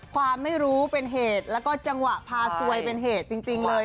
ความไม่รู้เป็นเหตุแล้วก็จังหวะพาซวยเป็นเหตุจริงเลย